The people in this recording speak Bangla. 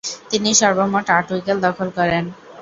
তিনি সর্বমোট আট উইকেট দখল করেন।